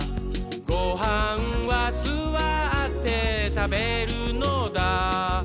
「ごはんはすわってたべるのだ」